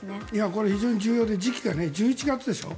これ、非常に重要で時期が１１月でしょ。